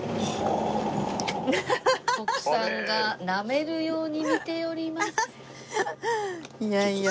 徳さんがなめるように見ております。